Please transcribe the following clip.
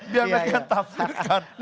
biar mereka tafsirkan